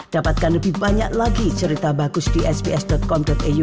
dapatkan lebih banyak lagi cerita bagus di sps com iu